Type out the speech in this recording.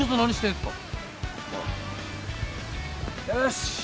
よし。